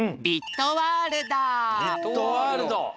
「ビットワールド」。